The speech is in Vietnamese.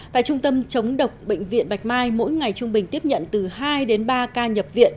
tại trung tâm chống độc bệnh viện bạch mai mỗi ngày trung bình tiếp nhận từ hai đến ba ca nhập viện